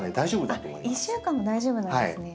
あっ１週間も大丈夫なんですね。